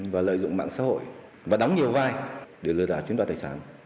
và lợi dụng mạng xã hội và đóng nhiều vai để lừa đảo chiếm đoạt tài sản